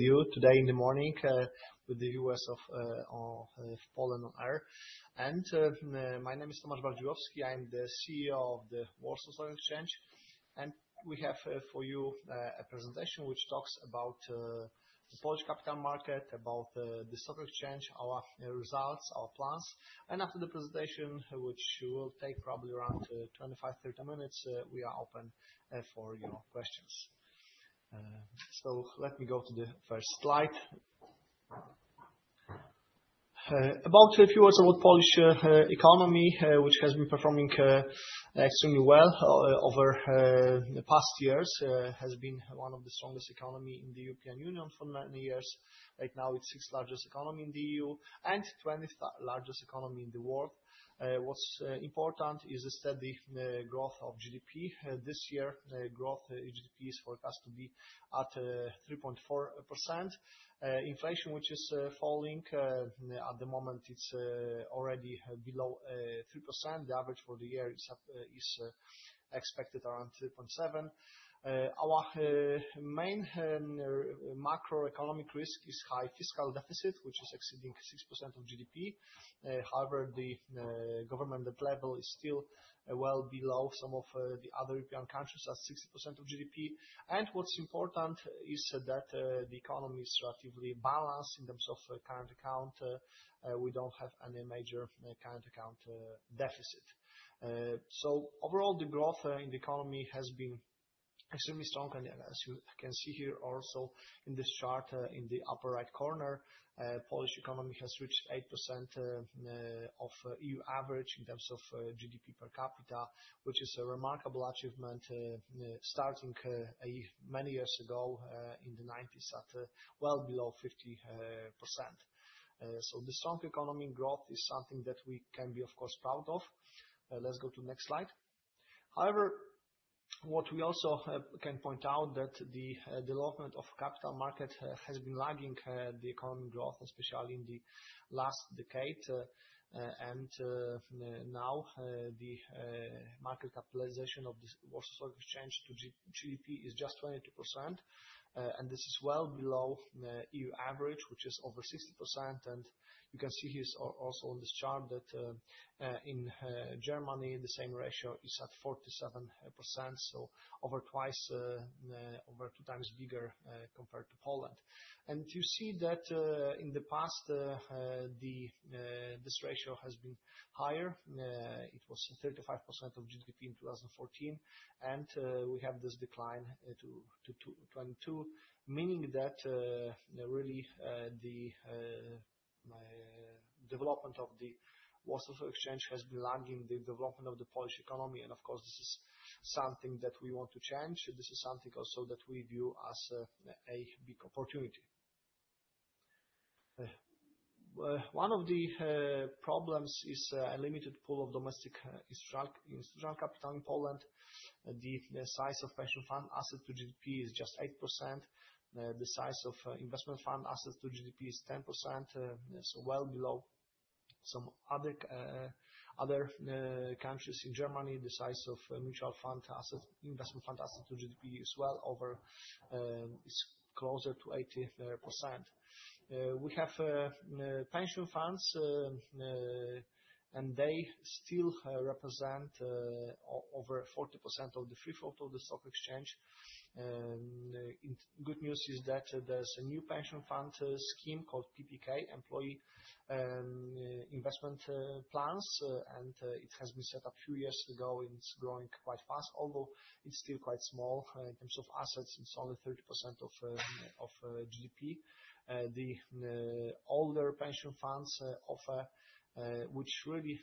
with you today in the morning with the viewers of Poland ON AIR. My name is Tomasz Bardziłowski. I'm the CEO of the Warsaw Stock Exchange, and we have for you a presentation which talks about the Polish capital market, about the stock exchange, our results, our plans. After the presentation, which will take probably around 25-30 minutes, we are open for your questions. Let me go to the first slide. A few words about Polish economy, which has been performing extremely well over the past years. It has been one of the strongest economies in the European Union for many years. Right now, it's the 6th largest economy in the EU and the 20th largest economy in the world. What's important is the steady growth of GDP. This year, growth in GDP is forecast to be at 3.4%. Inflation, which is falling, at the moment it's already below 3%. The average for the year is expected around 3.7%. Our main macroeconomic risk is high fiscal deficit, which is exceeding 6% of GDP. However, the government debt level is still well below some of the other European countries at 60% of GDP. What's important is that the economy is relatively balanced in terms of current account. We don't have any major current account deficit. Overall, the growth in the economy has been extremely strong, and as you can see here also in this chart in the upper right corner, Polish economy has reached 8% of EU average in terms of GDP per capita, which is a remarkable achievement starting many years ago in the nineties at well below 50%. The strong economy growth is something that we can be, of course, proud of. Let's go to next slide. However, what we also can point out that the development of capital market has been lagging the economy growth, especially in the last decade. Now the market capitalization of this Warsaw Stock Exchange to GDP is just 22%. This is well below the EU average, which is over 60%. You can see here also on this chart that in Germany, the same ratio is at 47%. Over two times bigger compared to Poland. You see that in the past this ratio has been higher. It was 35% of GDP in 2014 and we have this decline to 2022. Meaning that really the development of the Warsaw Stock Exchange has been lagging the development of the Polish economy. Of course, this is something that we want to change. This is something also that we view as a big opportunity. One of the problems is a limited pool of domestic institutional capital in Poland. The size of pension fund assets to GDP is just 8%. The size of investment fund assets to GDP is 10%, so well below some other countries. In Germany, the size of mutual fund assets, investment fund assets to GDP is well over, it's closer to 80%. We have pension funds and they still represent over 40% of the free float of the stock exchange. Good news is that there's a new pension fund scheme called PPK, Employee Investment Plans. It has been set up a few years ago, and it's growing quite fast, although it's still quite small. In terms of assets, it's only 30% of GDP. The older pension funds offered which really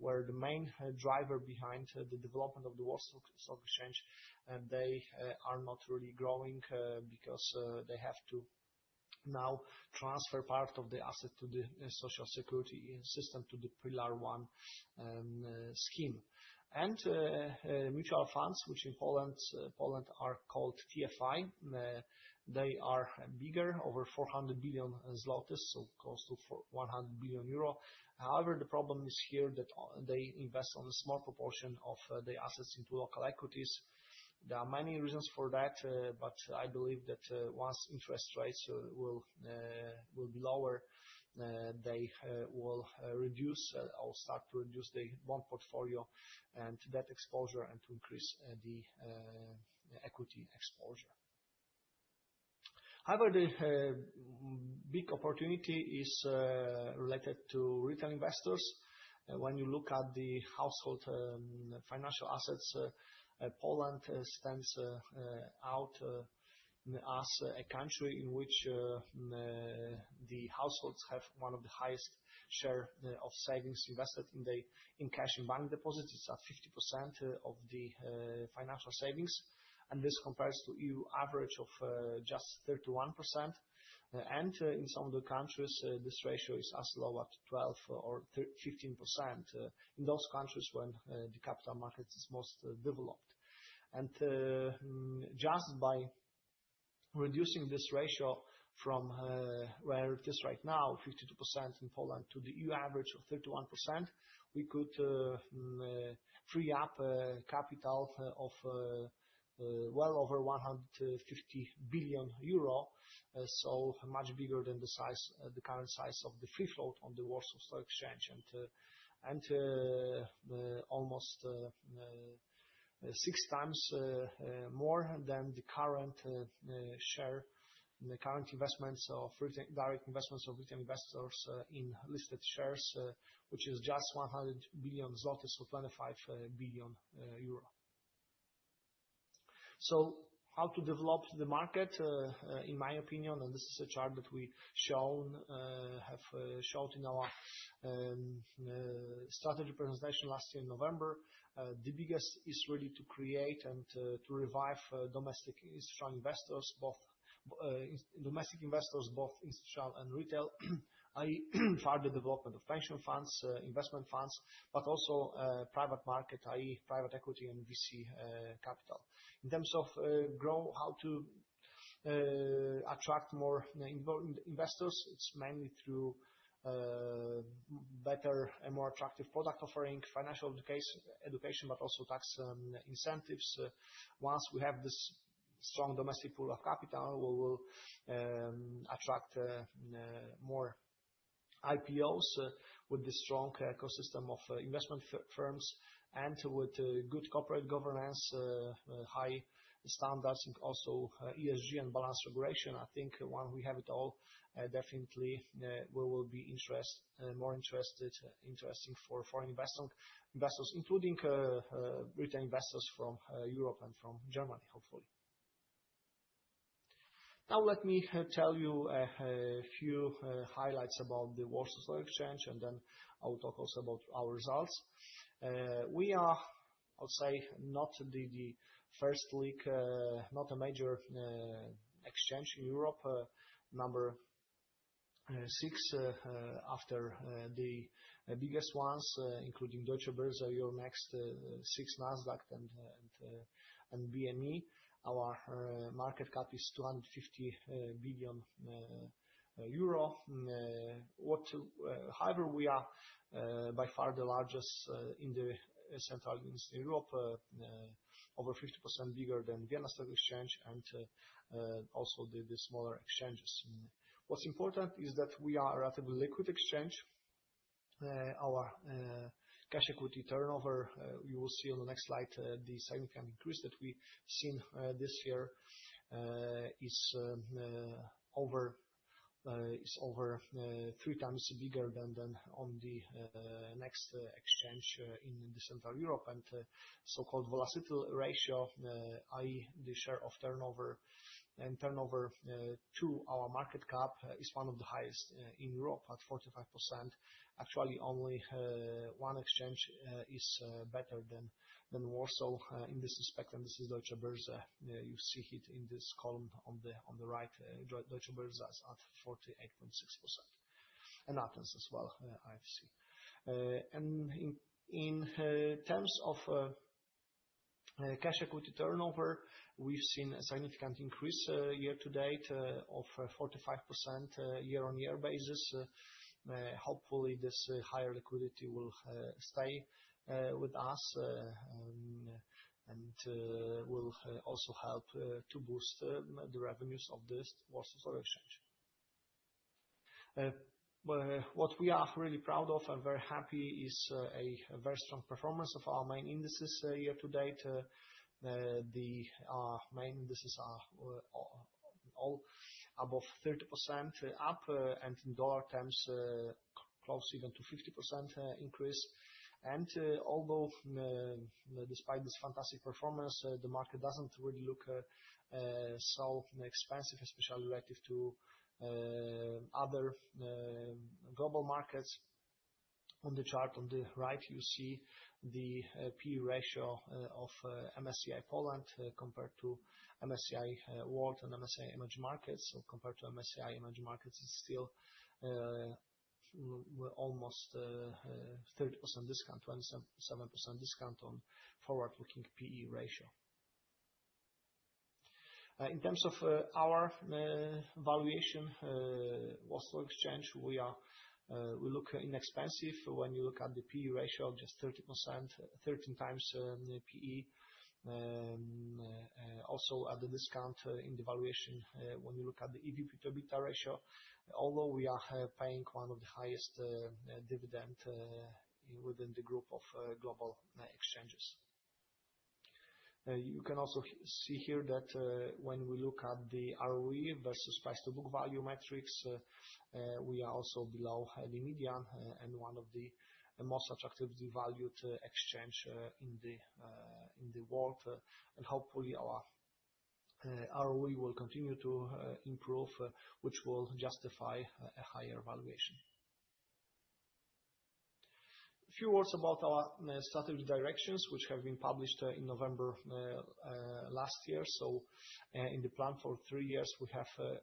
were the main driver behind the development of the Warsaw Stock Exchange, they are not really growing because they have to now transfer part of the asset to the social security system, to the Pillar One scheme. Mutual funds, which in Poland are called TFI, they are bigger, over 400 billion zlotys, so close to 100 billion euro. However, the problem is here that only they invest a small proportion of the assets into local equities. There are many reasons for that, but I believe that once interest rates will be lower, they will reduce or start to reduce the bond portfolio and debt exposure and to increase the equity exposure. However, the big opportunity is related to retail investors. When you look at the household financial assets, Poland stands out as a country in which the households have one of the highest share of savings invested in cash and bank deposits. It's at 50% of the financial savings, and this compares to EU average of just 31%. In some of the countries, this ratio is as low as 12 or 15%, in those countries when the capital market is most developed. Just by reducing this ratio from where it is right now, 52% in Poland, to the EU average of 31%, we could free up capital of well over 150 billion euro, so much bigger than the current size of the free float on the Warsaw Stock Exchange and almost six times more than the current direct investments of retail investors in listed shares, which is just 100 billion zlotys, so 25 billion euro. How to develop the market, in my opinion, this is a chart that have shown in our strategy presentation last year in November, the biggest is really to create and to revive domestic institutional investors, both domestic investors, both institutional and retail, i.e., further development of pension funds, investment funds, but also private market, i.e., private equity and VC capital. In terms of how to attract more involved investors, it's mainly through better and more attractive product offering, financial education, but also tax incentives. Once we have this strong domestic pool of capital, we will attract more IPOs with the strong ecosystem of investment firms and with good corporate governance, high standards and also ESG and balanced regulation. I think once we have it all, definitely, we will be more interesting for foreign investors, including retail investors from Europe and from Germany, hopefully. Now let me tell you a few highlights about the Warsaw Stock Exchange, and then I will talk also about our results. We are, I'll say, not the first league, not a major exchange in Europe. Number 6 after the biggest ones, including Deutsche Börse, Euronext, SIX, Nasdaq and BME. Our market cap is 250 billion euro. However, we are by far the largest in Central Europe, over 50% bigger than Vienna Stock Exchange and also the smaller exchanges. What's important is that we are a relatively liquid exchange. Our cash equity turnover, you will see on the next slide, the significant increase that we've seen this year is over three times bigger than on the next exchange in Central Europe and so-called velocity ratio, i.e., the share of turnover and turnover to our market cap is one of the highest in Europe at 45%. Actually, only one exchange is better than Warsaw in this respect, and this is Deutsche Börse. You see it in this column on the right. Deutsche Börse is at 48.6%, and Athens as well, I see. In terms of cash equity turnover, we've seen a significant increase year-to-date of 45% year-on-year basis. Hopefully this higher liquidity will stay with us and will also help to boost the revenues of this Warsaw Stock Exchange. What we are really proud of and very happy is a very strong performance of our main indices year-to-date. Our main indices are all above 30% up and in dollar terms close even to 50% increase. Although despite this fantastic performance, the market doesn't really look so expensive, especially relative to other global markets. On the chart on the right, you see the P/E ratio of MSCI Poland compared to MSCI World and MSCI Emerging Markets. Compared to MSCI Emerging Markets, it's still almost 30% discount, 27% discount on forward-looking P/E ratio. In terms of our valuation, Warsaw Stock Exchange, we are, we look inexpensive when you look at the P/E ratio, just 30%, 13 times P/E. Also at the discount in the valuation when you look at the EBITDA ratio, although we are paying one of the highest dividend within the group of global exchanges. You can also see here that, when we look at the ROE versus price-to-book value metrics, we are also below the median, and one of the most attractively valued exchange in the world. Hopefully our ROE will continue to improve, which will justify a higher valuation. A few words about our strategy directions, which have been published in November last year. In the plan for three years, we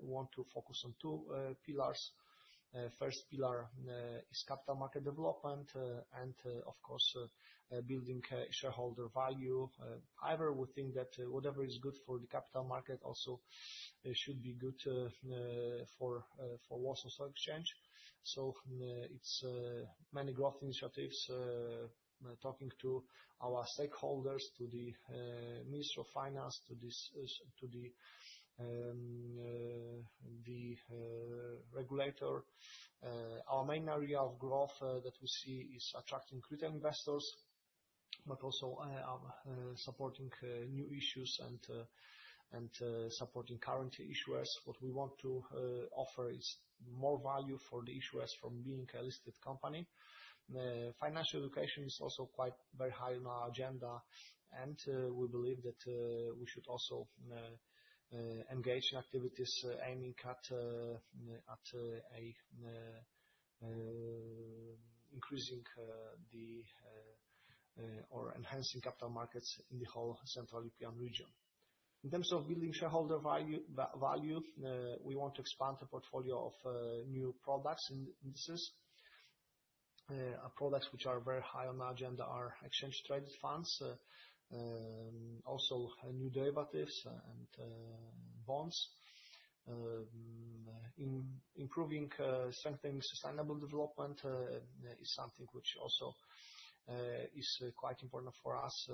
want to focus on two pillars. First pillar is capital market development, and, of course, building shareholder value. However, we think that whatever is good for the capital market also should be good for Warsaw Stock Exchange. It's many growth initiatives, talking to our stakeholders, to the Minister of Finance, to the regulator. Our main area of growth that we see is attracting retail investors, but also supporting new issues and supporting current issuers. What we want to offer is more value for the issuers from being a listed company. Financial education is also quite very high on our agenda, and we believe that we should also engage in activities aiming at increasing or enhancing capital markets in the whole Central European region. In terms of building shareholder value, we want to expand the portfolio of new products and indices. Products which are very high on our agenda are exchange-traded funds, also new derivatives and bonds. Improving, strengthening sustainable development is something which also is quite important for us.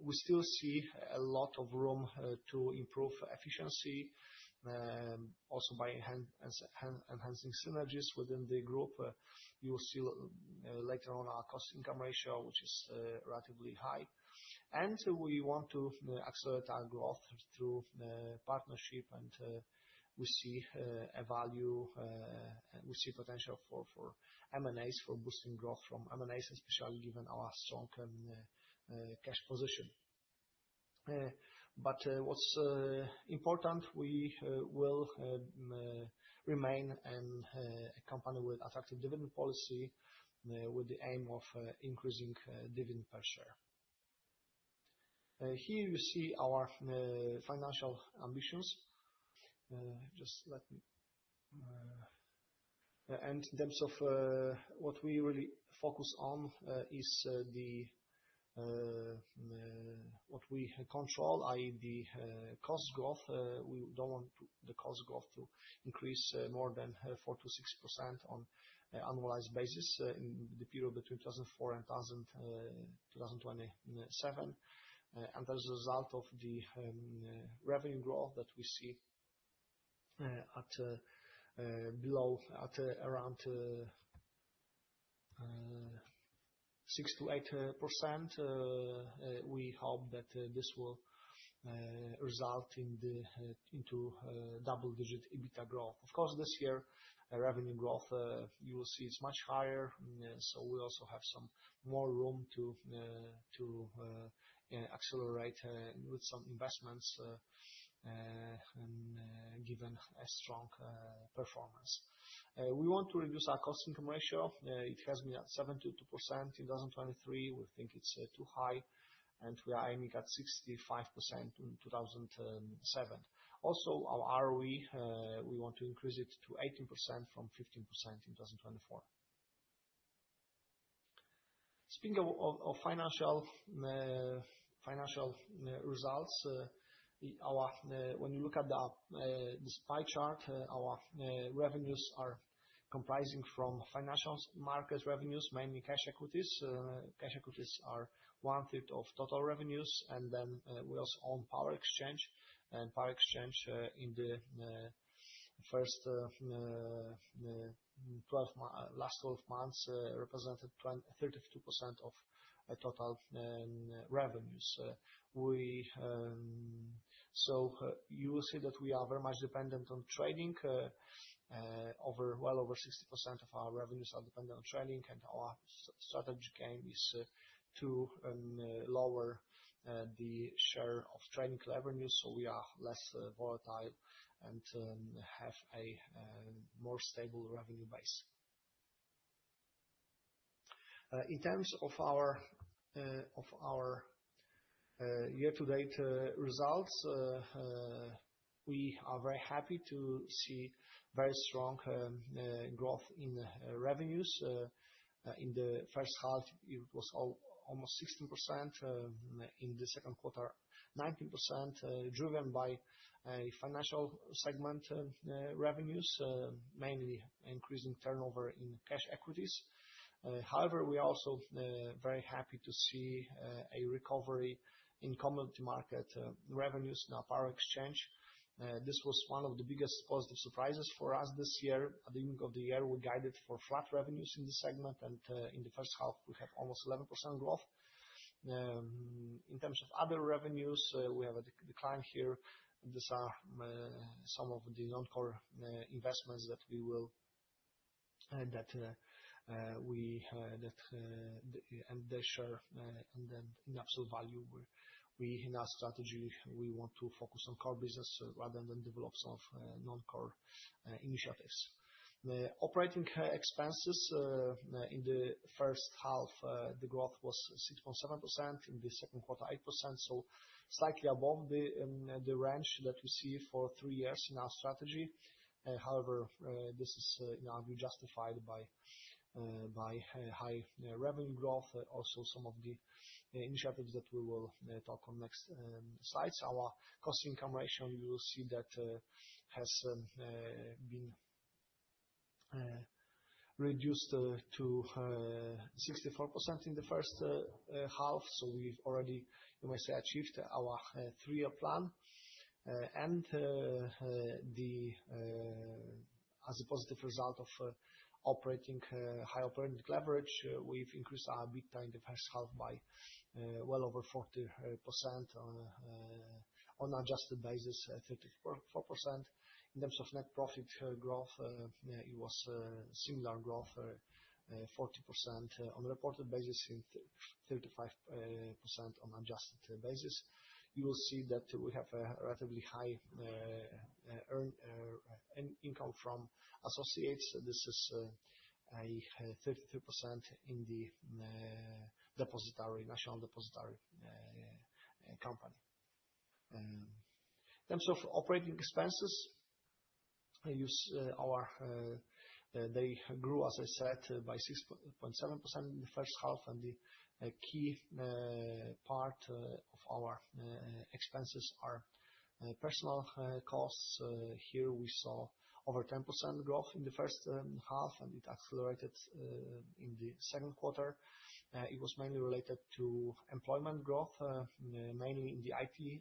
We still see a lot of room to improve efficiency, also by enhancing synergies within the group. You'll see later on our cost-income ratio, which is relatively high. We want to accelerate our growth through partnership and we see a value, we see potential for M&As, for boosting growth from M&As especially given our strong cash position. But what's important, we will remain a company with attractive dividend policy, with the aim of increasing dividend per share. Here you see our financial ambitions. Just let me... In terms of what we really focus on is what we control, i.e., the cost growth. We don't want the cost growth to increase more than 4%-6% on an annualized basis in the period between 2004 and 2027. As a result of the revenue growth that we see at around 6%-8%. We hope that this will result in double-digit EBITDA growth. Of course, this year, our revenue growth you will see is much higher. We also have some more room to accelerate with some investments and given a strong performance. We want to reduce our cost-income ratio. It has been at 72% in 2023. We think it's too high, and we are aiming at 65% in 2027. Also, our ROE, we want to increase it to 18% from 15% in 2024. Speaking of financial results, when you look at this pie chart, our revenues are comprising from financial markets revenues, mainly cash equities. Cash equities are 1/5 of total revenues. We also own power exchange, and power exchange in the last twelve months represented 32% of total revenues. So you will see that we are very much dependent on trading. Well over 60% of our revenues are dependent on trading, and our strategy is to lower the share of trading revenues, so we are less volatile and have a more stable revenue base. In terms of our year-to-date results, we are very happy to see very strong growth in revenues. In the first half, it was almost 16%. In the Q2, 19%, driven by financial segment revenues, mainly increasing turnover in cash equities. However, we are also very happy to see a recovery in commodity market revenues in our power exchange. This was one of the biggest positive surprises for us this year. At the beginning of the year, we guided for flat revenues in this segment, and in the first half, we have almost 11% growth. In terms of other revenues, we have a decline here. These are some of the non-core investments and their share in absolute value. In our strategy, we want to focus on core business rather than develop some non-core initiatives. The operating expenses in the first half, the growth was 6.7%. In the Q2, 8%. Slightly above the range that we see for three years in our strategy. However, this is, you know, justified by by high revenue growth, also some of the initiatives that we will talk on next slides. Our cost-income ratio, you will see that, has been reduced to 64% in the first half. We've already, you may say, achieved our 3-year plan. And as a positive result of high operating leverage, we've increased our EBITDA in the first half by well over 40%. On adjusted basis, 34%. In terms of net profit growth, it was similar growth, 40% on a reported basis and 35% on adjusted basis. You will see that we have a relatively high income from associates. This is a 33% in the national depository company. In terms of operating expenses, our expenses grew, as I said, by 6.7% in the first half. The key part of our expenses are personnel costs. Here we saw over 10% growth in the first half and it accelerated in the Q2. It was mainly related to employment growth, mainly in the IT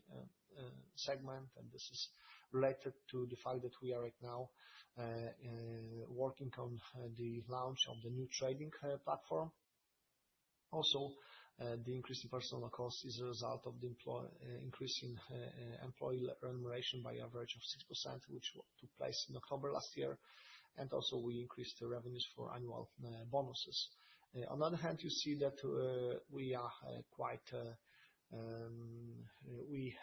segment. This is related to the fact that we are right now working on the launch of the new trading platform. Also, the increase in personnel costs is a result of increasing employee remuneration by average of 6%, which took place in October last year. Also, we increased the provision for annual bonuses. On the other hand, you see that we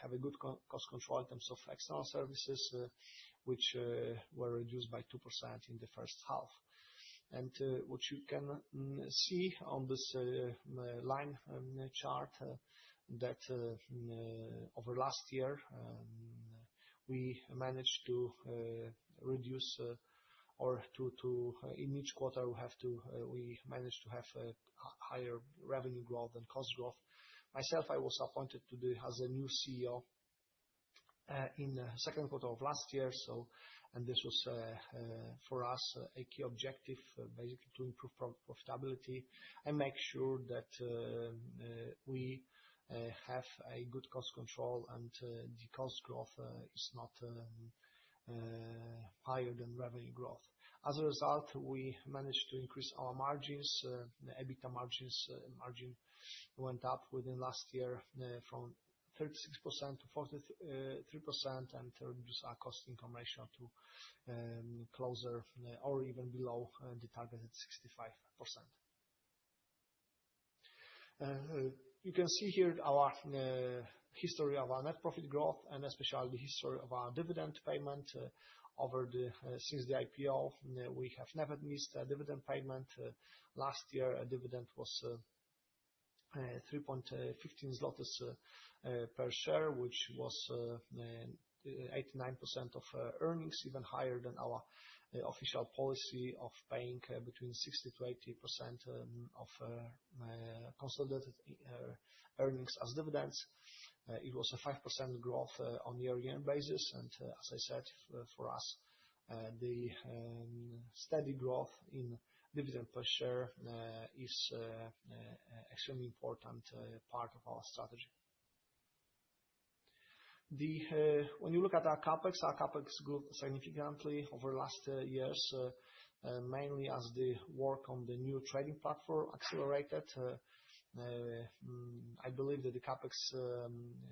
have a good cost control in terms of external services, which were reduced by 2% in the first half. What you can see on this line chart that over last year in each quarter we managed to have a higher revenue growth than cost growth. Myself, I was appointed as a new CEO in the Q2 of last year, so this was for us a key objective, basically, to improve profitability and make sure that we have a good cost control and the cost growth is not higher than revenue growth. As a result, we managed to increase our margins. The EBITDA margin went up within last year from 36% to 43% and reduce our cost-income ratio to closer or even below the target at 65%. You can see here our history of our net profit growth and especially the history of our dividend payment over the years since the IPO. We have never missed a dividend payment. Last year, our dividend was 3.15 PLN per share, which was 89% of earnings, even higher than our official policy of paying between 60%-80% of consolidated earnings as dividends. It was a 5% growth on year-on-year basis. As I said, for us, the steady growth in dividend per share is extremely important part of our strategy. When you look at our CapEx, our CapEx grew significantly over last years, mainly as the work on the new trading platform accelerated. I believe that the CapEx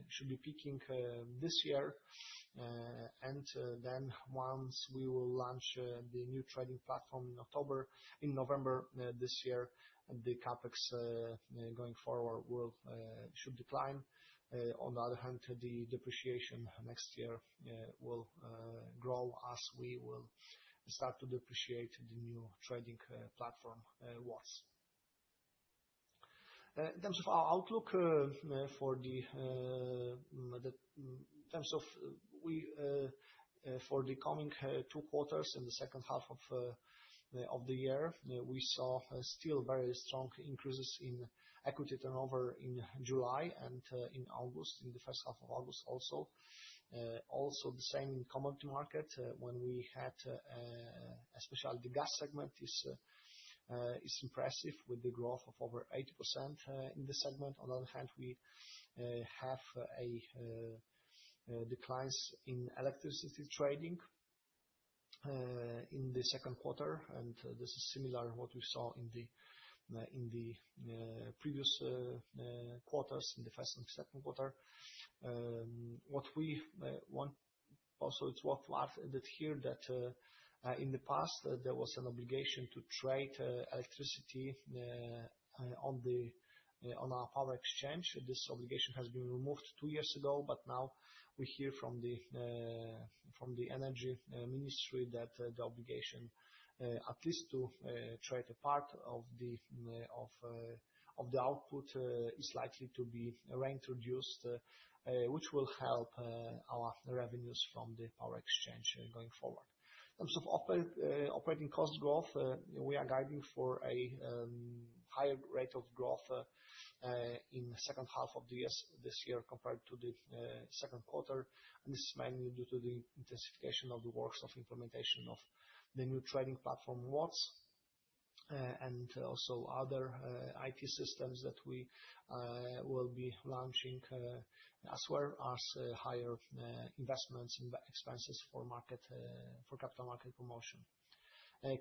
should be peaking this year. Then once we will launch the new trading platform in October, in November this year, the CapEx going forward will should decline. On the other hand, the depreciation next year will grow as we will start to depreciate the new trading platform once. In terms of our outlook for the coming two quarters in the second half of the year, we saw still very strong increases in equity turnover in July and in August, in the first half of August also. Also the same in commodity market when we had especially the gas segment is impressive with the growth of over 80% in this segment. On the other hand, we have declines in electricity trading in the Q2. This is similar to what we saw in the previous quarters, in the first and second quarter. Also it's worth adding that in the past there was an obligation to trade electricity on our power exchange. This obligation has been removed two years ago, but now we hear from the energy ministry that the obligation at least to trade a part of the output is likely to be reintroduced, which will help our revenues from the power exchange going forward. In terms of operating cost growth, we are guiding for a higher rate of growth in the second half of this year compared to the second quarter. This is mainly due to the intensification of the works of implementation of the new trading platform, WATS. Also other IT systems that we will be launching as well as higher investments and expenses for capital market promotion.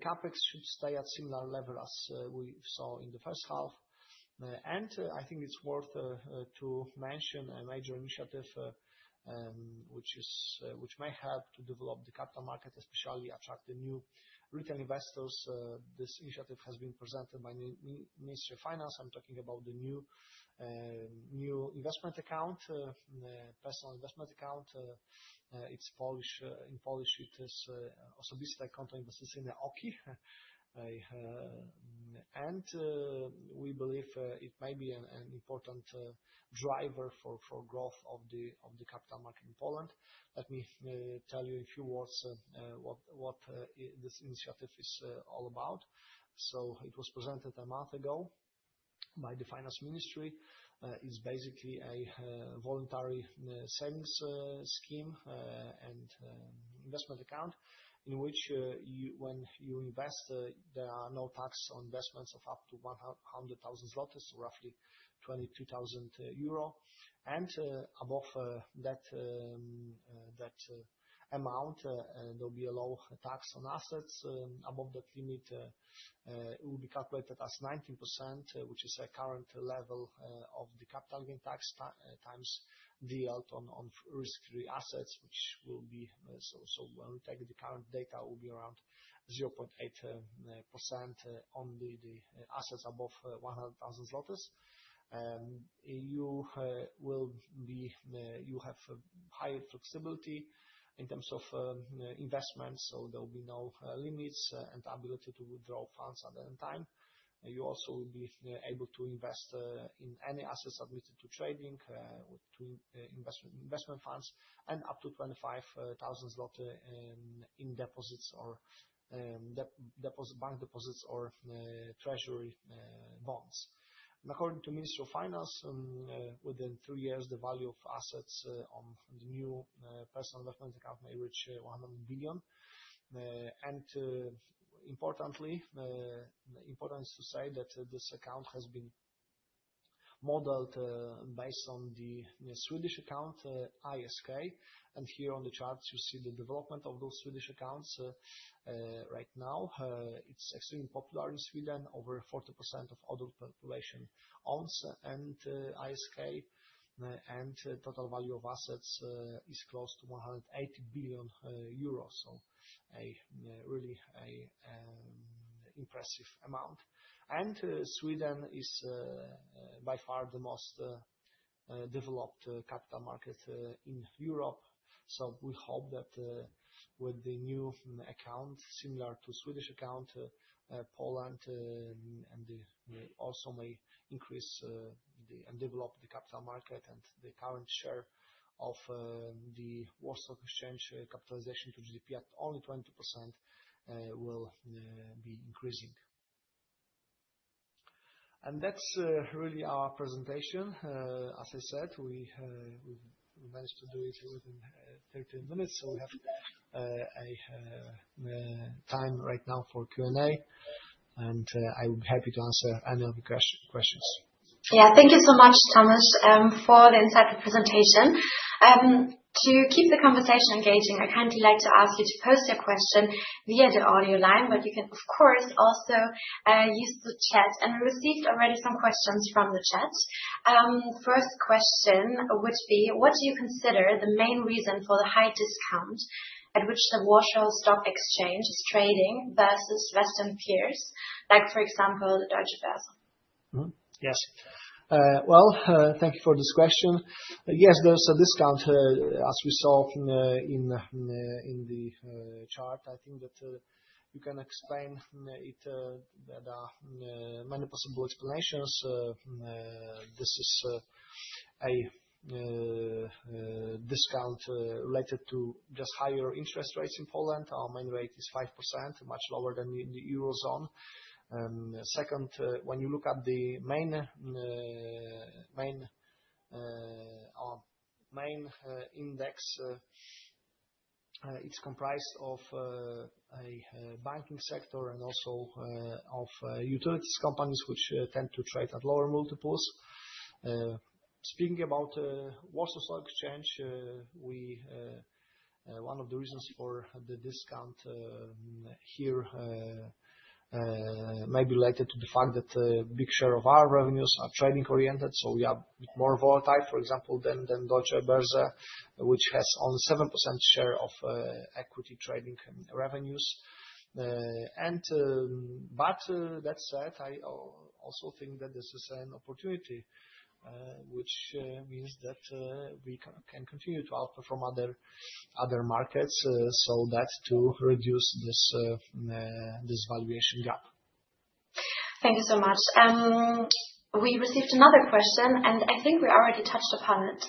CapEx should stay at similar level as we saw in the first half. I think it's worth to mention a major initiative which may help to develop the capital market, especially attract the new retail investors. This initiative has been presented by the Ministry of Finance. I'm talking about the new investment account, personal investment account. It's Polish. In Polish it is, Osobiste Konto Inwestycyjne (OKI). We believe it may be an important driver for growth of the capital market in Poland. Let me tell you a few words what this initiative is all about. It was presented a month ago by the Ministry of Finance. It's basically a voluntary savings scheme and investment account in which, when you invest, there are no tax on investments of up to 100,000 zlotys, roughly 22,000 euro. Above that amount there will be a low tax on assets. Above that limit, it will be calculated as 19%, which is a current level of the capital gain tax times the yield on risk-free assets, which will be when we take the current data, it will be around 0.8% on the assets above 100,000 zlotys. You have higher flexibility in terms of investments. There will be no limits and ability to withdraw funds at any time. You also will be able to invest in any assets admitted to trading or to investment funds and up to 25,000 zloty in deposits or deposit bank deposits or treasury bonds. According to Ministry of Finance, within 3 years, the value of assets on the new personal investment account may reach 100 billion. Importantly, important to say that this account has been modeled based on the Swedish account ISK. Here on the charts you see the development of those Swedish accounts. Right now, it's extremely popular in Sweden. Over 40% of adult population owns an ISK. Total value of assets is close to 180 billion euros. A really impressive amount. Sweden is by far the most developed capital market in Europe. We hope that with the new account similar to Swedish account Poland and also may increase the... Develop the capital market and the current share of the Warsaw Exchange capitalization to GDP at only 20% will be increasing. That's really our presentation. As I said, we managed to do it within 30 minutes, so we have a time right now for Q&A, and I'm happy to answer any other questions. Yeah. Thank you so much, Tomasz, for the insightful presentation. To keep the conversation engaging, I'd kindly like to ask you to post your question via the audio line, but you can of course, also, use the chat. We received already some questions from the chat. First question would be: What do you consider the main reason for the high discount at which the Warsaw Stock Exchange is trading versus Western peers, like for example, Deutsche Börse? Thank you for this question. Yes, there's a discount as we saw in the chart. I think that you can explain it, there are many possible explanations. This is a discount related to just higher interest rates in Poland. Our main rate is 5%, much higher than the Eurozone. Second, when you look at our main index, it's comprised of a banking sector and also of utilities companies which tend to trade at lower multiples. Speaking about Warsaw Stock Exchange, one of the reasons for the discount here may be related to the fact that a big share of our revenues are trading-oriented, so we are a bit more volatile, for example, than Deutsche Börse, which has only 7% share of equity trading revenues. That said, I also think that this is an opportunity which means that we can continue to outperform other markets so that to reduce this valuation gap. Thank you so much. We received another question, and I think we already touched upon it,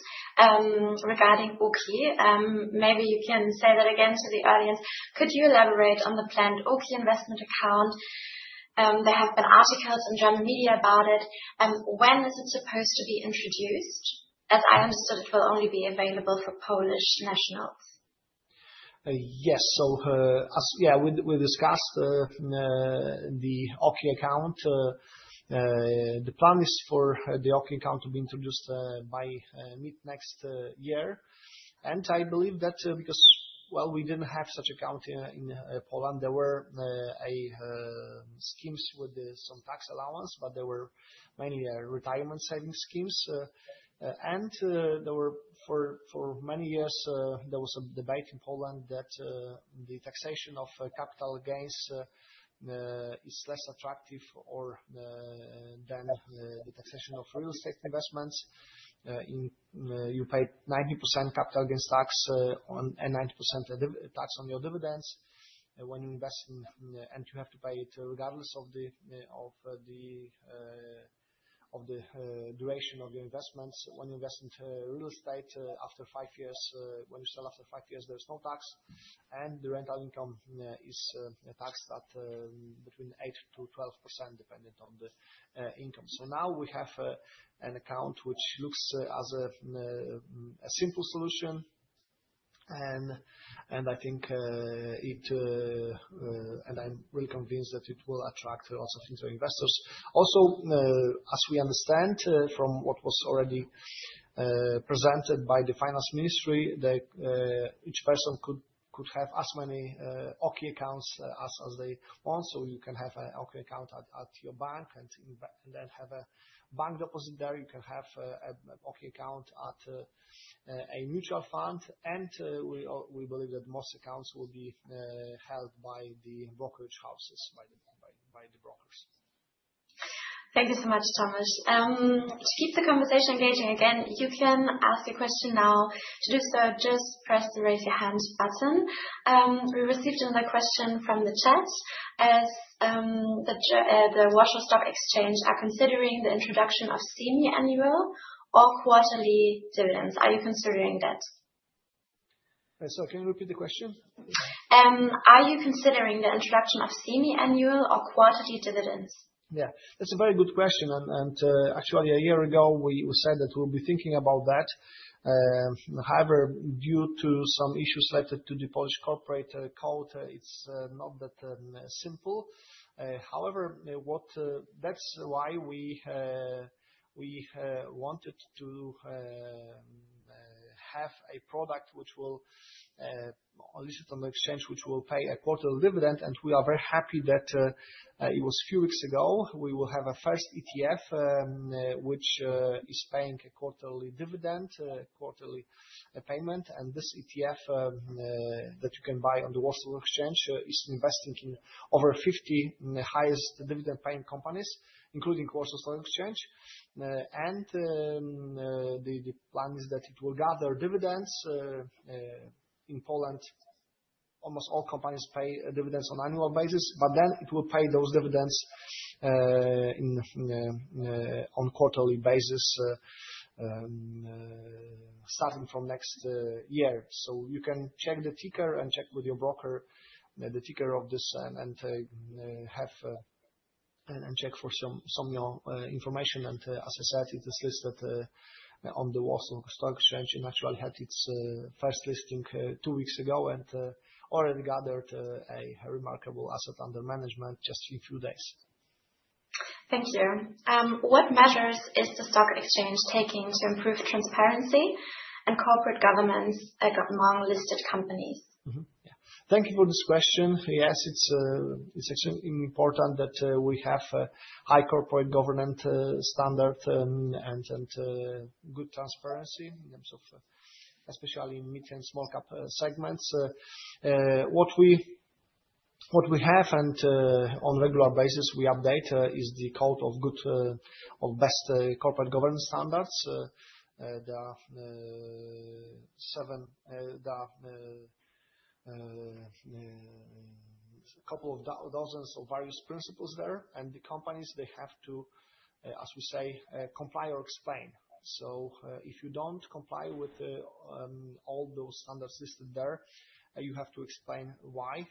regarding OKI. Maybe you can say that again to the audience. Could you elaborate on the planned OKI investment account? There have been articles in German media about it. When is it supposed to be introduced? As I understood, it will only be available for Polish nationals. Yes. As we discussed, the OKI account. The plan is for the OKI account to be introduced by mid next year. I believe that, because while we didn't have such account in Poland, there were schemes with some tax allowance, but there were many retirement savings schemes. For many years there was a debate in Poland that the taxation of capital gains is less attractive or than the taxation of real estate investments. You pay 90% capital gains tax on 90% dividend tax on your dividends when you invest in. You have to pay it regardless of the duration of your investments. When you invest into real estate, after five years, when you sell after five years, there's no tax, and the rental income is taxed at between 8%-12%, depending on the income. Now we have an account which looks as a simple solution, and I think it will attract lots of new investors. As we understand from what was already presented by the Ministry of Finance, each person could have as many OKI accounts as they want. You can have an OKI account at your bank and in bank. Then have a bank deposit there. You can have an OKI account at a mutual fund. We believe that most accounts will be held by the brokerage houses, by the brokers. Thank you so much, Tomasz. To keep the conversation engaging, again, you can ask a question now. To do so, just press the Raise Your Hand button. We received another question from the chat. As the Warsaw Stock Exchange are considering the introduction of semi-annual or quarterly dividends, are you considering that? Can you repeat the question? Are you considering the introduction of semi-annual or quarterly dividends? Yeah. That's a very good question. Actually a year ago we said that we'll be thinking about that. However, due to some issues related to the Polish corporate code, it's not that simple. That's why we wanted to have a product which will listed on the exchange, which will pay a quarterly dividend. We are very happy that it was few weeks ago, we will have a first ETF which is paying a quarterly dividend, quarterly payment. This ETF that you can buy on the Warsaw Stock Exchange is investing in over 50 highest dividend-paying companies, including Warsaw Stock Exchange. The plan is that it will gather dividends. In Poland, almost all companies pay dividends on annual basis, but then it will pay those dividends on quarterly basis starting from next year. You can check the ticker and check with your broker the ticker of this and check for some more information. As I said, it is listed on the Warsaw Stock Exchange. It actually had its first listing two weeks ago and already gathered a remarkable asset under management just in few days. Thank you. What measures is the stock exchange taking to improve transparency and corporate governance among listed companies? Thank you for this question. Yes, it's extremely important that we have a high corporate governance standard and good transparency in terms of, especially in mid- and small-cap segments. What we have and on regular basis we update is the code of best corporate governance standards. There are a couple of dozens of various principles there. The companies, they have to, as we say, comply or explain. If you don't comply with all those standards listed there, you have to explain why.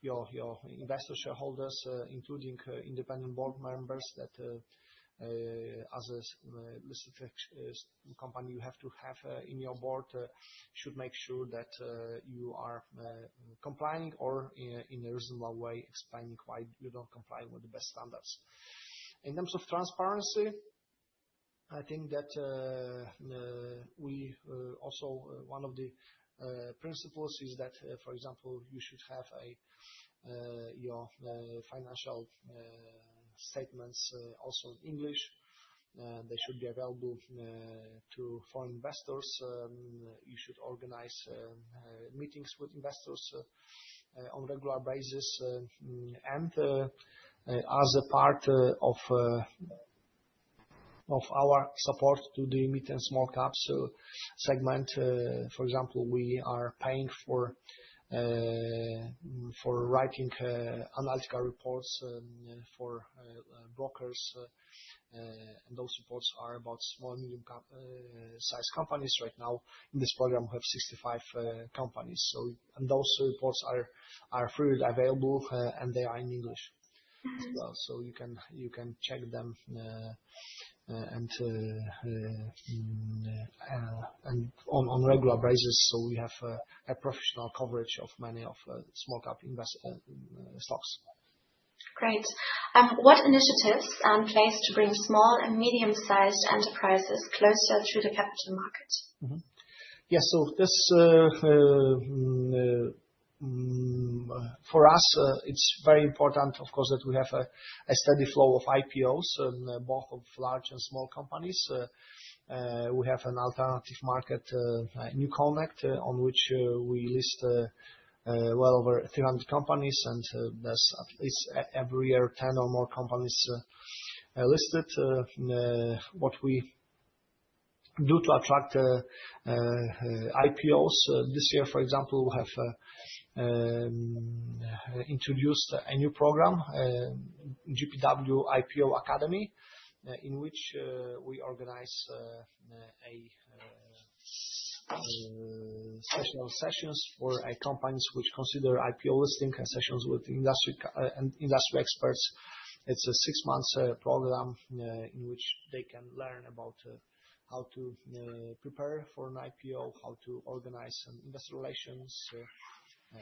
Your investor shareholders, including independent board members that, as a listed company you have to have in your board, should make sure that you are complying or in a reasonable way explaining why you don't comply with the best standards. In terms of transparency, I think that we also, one of the principles is that, for example, you should have your financial statements also in English. They should be available to foreign investors. You should organize meetings with investors on regular basis. As a part of our support to the mid and small caps segment, for example, we are paying for writing analytical reports for brokers. Those reports are about small and medium cap size companies right now. In this program, we have 65 companies. Those reports are freely available, and they are in English as well, so you can check them on regular basis. We have a professional coverage of many small cap invest stocks. Great. What initiatives are in place to bring small and medium-sized enterprises closer to the capital market? For us, it's very important of course that we have a steady flow of IPOs both of large and small companies. We have an alternative market, NewConnect, on which we list well over 300 companies. There's at least every year 10 or more companies listed. What we do to attract IPOs, this year, for example, we have introduced a new program, GPW IPO Academy, in which we organize special sessions for companies which consider IPO listing sessions with industry experts. It's a six months program in which they can learn about how to prepare for an IPO, how to organize investor relations,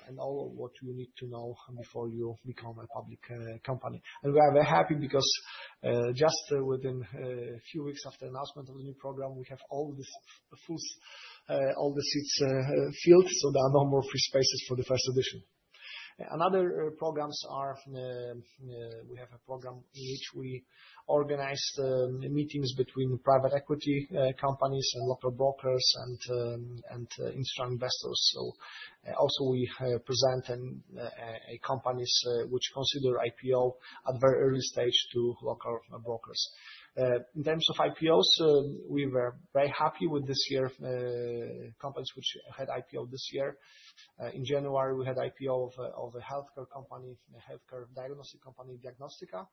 and all what you need to know before you become a public company. We are very happy because just within few weeks after announcement of the new program, we have all the seats filled, so there are no more free spaces for the first edition. We have a program in which we organize meetings between private equity companies and local brokers and institutional investors. We also present companies which consider IPO at very early stage to local brokers. In terms of IPOs, we were very happy with this year companies which had IPO this year. In January, we had IPO of a healthcare company, a healthcare diagnostic company, Diagnostyka.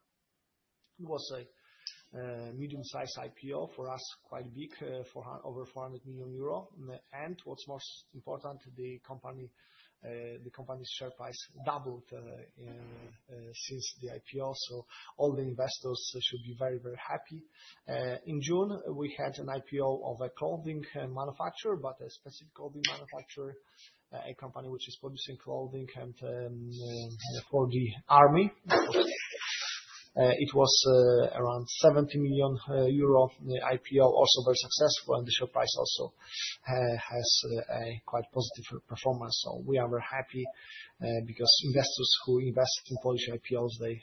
It was a medium-sized IPO, for us, quite big, over 400 million euro. What's most important, the company's share price doubled since the IPO, so all the investors should be very happy. In June, we had an IPO of a clothing manufacturer, but a specific clothing manufacturer, a company which is producing clothing and for the army. It was around 70 million euro. The IPO also very successful, and the share price also has a quite positive performance. We are very happy because investors who invest in Polish IPOs, they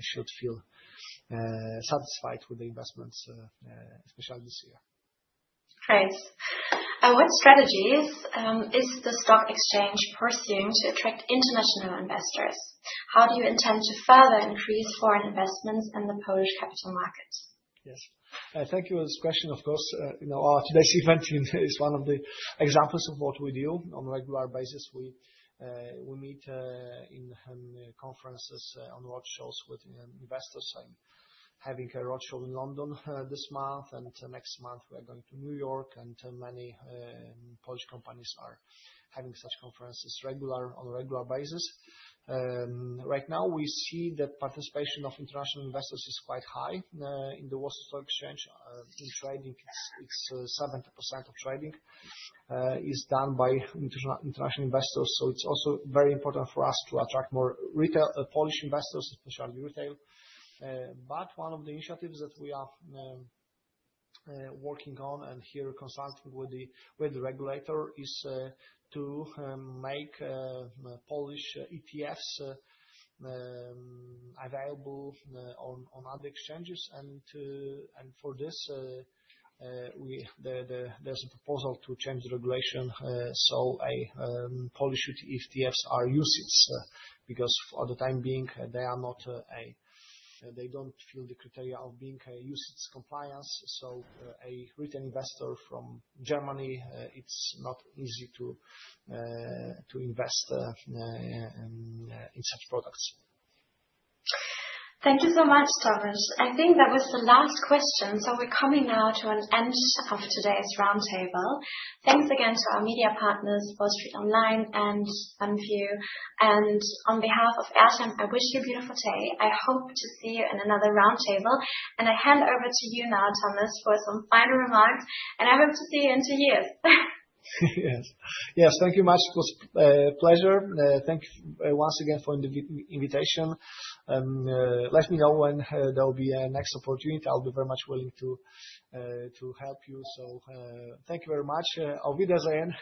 should feel satisfied with the investments, especially this year. Great. What strategies is the stock exchange pursuing to attract international investors? How do you intend to further increase foreign investments in the Polish capital market? Yes. Thank you for this question. Of course, you know, our today's event is one of the examples of what we do. On regular basis, we meet in conferences on roadshows with investors and having a roadshow in London this month. Next month we are going to New York, and many Polish companies are having such conferences on a regular basis. Right now we see that participation of international investors is quite high. In the Warsaw Stock Exchange, in trading it's 70% of trading is done by international investors. It's also very important for us to attract more retail Polish investors, especially retail. One of the initiatives that we are working on and here consulting with the regulator is to make Polish ETFs available on other exchanges. For this, there's a proposal to change the regulation so Polish ETFs are UCITS. Because for the time being, they are not. They don't fill the criteria of being UCITS compliant. For a retail investor from Germany, it's not easy to invest in such products. Thank you so much, Tomasz. I think that was the last question, so we're coming now to an end of today's roundtable. Thanks again to our media partners, wallstreet:online and SunView. On behalf of Airtime, I wish you a beautiful day. I hope to see you in another roundtable. I hand over to you now, Tomasz, for some final remarks, and I hope to see you in two years. Yes. Thank you much. It was a pleasure. Thank you once again for the invitation. Let me know when there will be a next opportunity. I'll be very much willing to help you. Thank you very much.